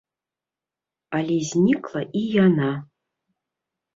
Але знікла і яна.